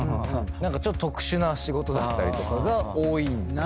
ちょっと特殊な仕事だったりとかが多いんですよね。